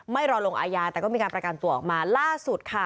รอลงอายาแต่ก็มีการประกันตัวออกมาล่าสุดค่ะ